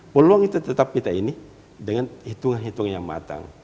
peluang itu tetap kita ini dengan hitungan hitungan yang matang